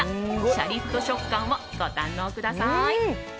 シャリッと食感をご堪能ください。